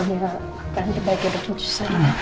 kau kira akan terbaik untuk cucu saya